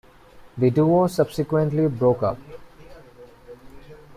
The duo subsequently broke up.